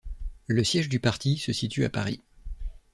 Le siège du parti se situe à Paris.